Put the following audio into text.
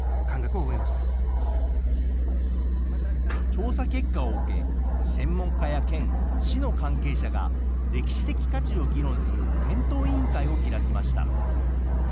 調査結果を受け、専門家や県、市の関係者が、歴史的価値を議論する検討委員会を開きました。